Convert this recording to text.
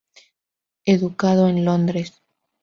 Educado en Londres.